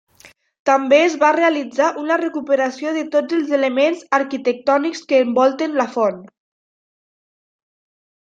També es va realitzar una recuperació de tots els elements arquitectònics que envolten la font.